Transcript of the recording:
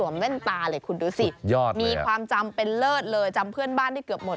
มีความจำเป็นเลิศเลยจำเพื่อนบ้านได้เกือบหมด